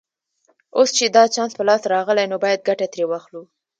اوس چې دا چانس په لاس راغلی نو باید ګټه ترې واخلو